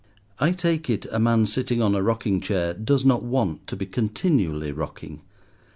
I take it, a man sitting on a rocking chair does not want to be continually rocking.